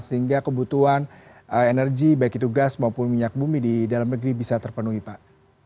sehingga kebutuhan energi baik itu gas maupun minyak bumi di dalam negeri bisa terpenuhi pak